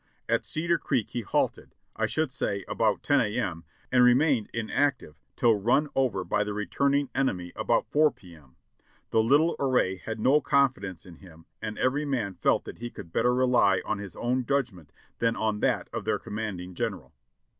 At Cedar Creek he halted, I should say about 10 a. m., and remained inactive till run over by the returning enemy about 4 p. m. The little army had no confi DISASTER AND DEFEAT IN THE V'AEEEY 659 deuce in him and every man felt that he could better rely on his own judgment than on that of their commanding general.